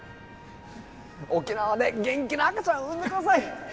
沖縄で元気な赤ちゃん産んでください